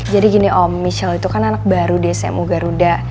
jadi gini om michelle itu kan anak baru di smu garuda